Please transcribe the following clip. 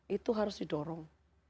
itu harus didorong